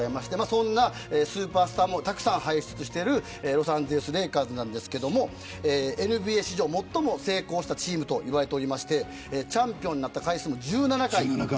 そんなスーパースターもたくさん輩出しているロサンゼルス・レイカーズですがＮＢＡ史上最も成功したチームと言われていてチャンピオンの回数も１７回。